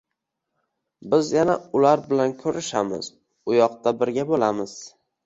Biz yana ular bilan ko‘rishamiz, u yoqda birga bo‘lamiz